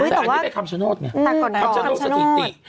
แต่อันนี้เป็นคำชนอดไงคำชนอดสถิติ